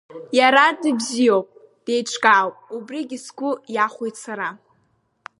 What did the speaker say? Иара дыбзиоуп, деиҿкаауп, убригь сгәы иахәоит сара.